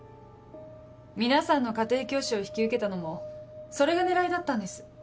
皆さんの家庭教師を引き受けたのもそれが狙いだったんです。